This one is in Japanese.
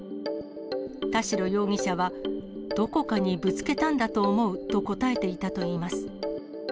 田代容疑者は、どこかにぶつけたんだと思うと答えていたといいます。